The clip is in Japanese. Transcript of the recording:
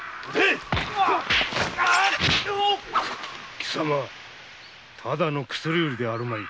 貴様ただの薬売りではあるまい。